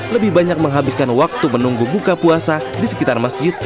lebih banyak menghabiskan waktu menunggu buka puasa di sekitar masjid